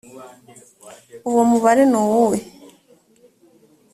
uwo mubare nuwuhe